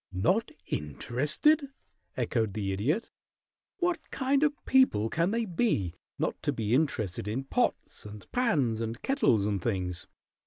"Not interested?" echoed the Idiot. "What kind of people can they be not to be interested in pots and pans and kettles and things?